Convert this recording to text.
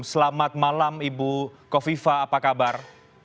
selamat malam ibu kofifa apa kabar